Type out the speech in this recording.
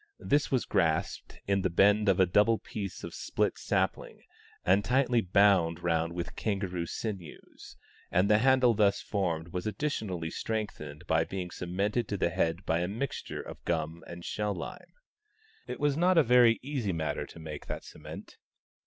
This was grasped in the bend of a doubled piece of split sapling, and tightly bound round with kangaroo sinews ; and the handle thus formed was additionally strengthened by being cemented to the head by a mixture of gum and shell lime. It was not a very easy matter to make that cement.